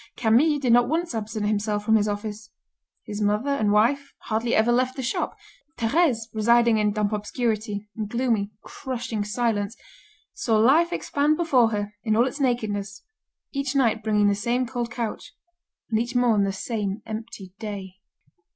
Camille did not once absent himself from his office. His mother and wife hardly ever left the shop. Thérèse, residing in damp obscurity, in gloomy, crushing silence, saw life expand before her in all its nakedness, each night bringing the same cold couch, and each morn the same empty day.